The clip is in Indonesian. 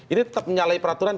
ini tetap menyalahi peraturan